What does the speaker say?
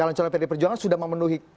calon calon pd perjuangan sudah memenuhi